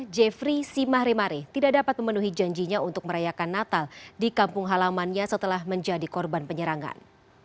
jeffrey simaremare tidak dapat memenuhi janjinya untuk merayakan natal di kampung halamannya setelah menjadi korban penyerangan